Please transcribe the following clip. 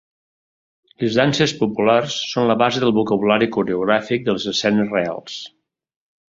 Les danses populars són la base del vocabulari coreogràfic de les escenes reals.